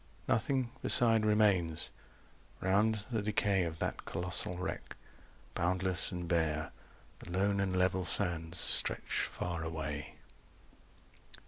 Nothing beside remains. Round the decay Of that colossal wreck, boundless and bare The lone and level sands stretch far away.